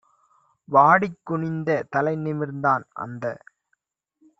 வாடிக் குனிந்த தலைநிமிர்ந்தான் - அந்த